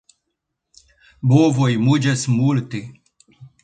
Bovoj muĝas multe.